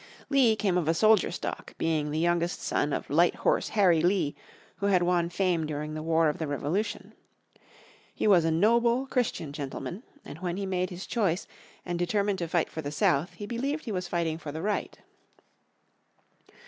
Lee came of a soldier stock, being the youngest son of "Light Horse Harry Lee," who had won fame during the War of the Revolution. He was a noble, Christian gentleman, and when he made his choice, and determined to fight for the South, he believed he was fighting for the right.